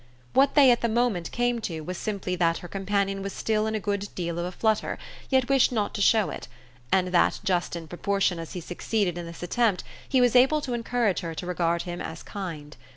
What they at the moment came to was simply that her companion was still in a good deal of a flutter, yet wished not to show it, and that just in proportion as he succeeded in this attempt he was able to encourage her to regard him as kind.